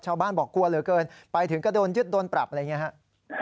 บอกกลัวเหลือเกินไปถึงก็โดนยึดโดนปรับอะไรอย่างนี้ครับ